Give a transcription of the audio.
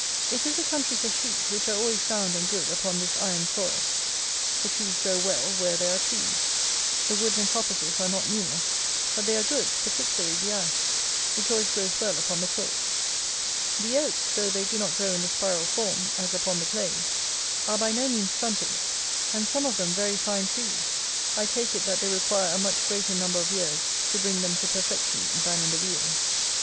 It is a country for sheep, which are always sound and good upon this iron soil. The trees grow well, where there are trees. The woods and coppices are not numerous; but they are good, particularly the ash, which always grows well upon the chalk. The oaks, though they do not grow in the spiral form, as upon the clays, are by no means stunted; and some of them very fine trees; I take it that they require a much greater number of years to bring them to perfection than in the Wealds.